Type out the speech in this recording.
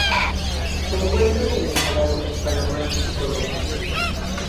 Se encuentra en Nicaragua, Panamá y Colombia.